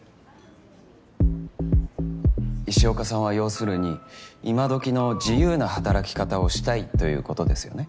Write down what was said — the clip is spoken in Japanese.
石岡さんは要するに今どきの自由な働き方をしたいということですよね。